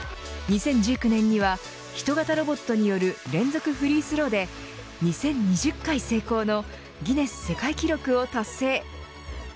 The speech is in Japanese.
２０１９年には人型ロボットによる連続フリースローで２０２０回成功のギネス世界記録を達成。